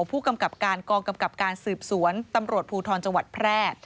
ผู้กำกับการกองกำกับการสืบสวนตำรวจภูทรจังหวัดแพร่